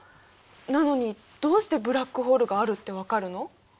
なのにどうしてブラックホールがあるってわかるの？